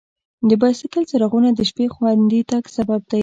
د بایسکل څراغونه د شپې خوندي تګ سبب دي.